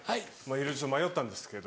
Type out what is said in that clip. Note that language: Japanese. いろいろ迷ったんですけど。